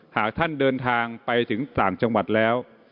หากท่านเดินทางไปถึงต่างจังหวัดแล้ว